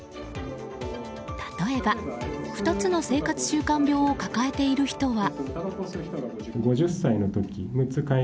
例えば、２つの生活習慣病を抱えている人は。